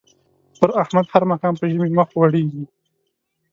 پر احمد هر ماښام په ژمي مخ غوړېږي.